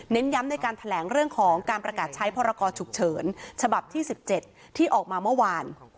ย้ำในการแถลงเรื่องของการประกาศใช้พรกรฉุกเฉินฉบับที่๑๗ที่ออกมาเมื่อวาน